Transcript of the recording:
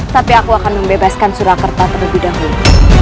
tapi aku akan membebaskan surakarta terlebih dahulu